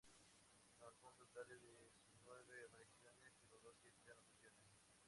Alcanzó un total de diecinueve apariciones y logró siete anotaciones.